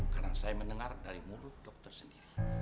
karena saya mendengar dari mulut dokter sendiri